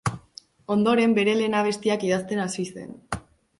Ondoren, bere lehen abestiak idazten hasi zen.